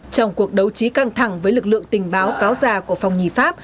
trong cuộc đấu trí căng thẳng với lực lượng tình báo cáo già của phòng nhì pháp